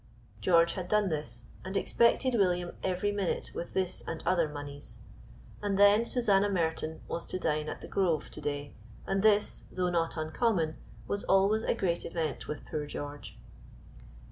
George had done this, and expected William every minute with this and other moneys. And then Susanna Merton was to dine at "The Grove" to day, and this, though not uncommon, was always a great event with poor George.